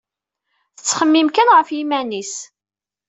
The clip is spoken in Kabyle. Tettxemmim kan ɣef yiman-is